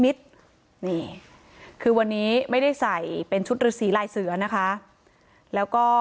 นี่คือวันนี้ไม่ได้ใส่เป็นชุดฤษีลายเสือนะคะแล้วก็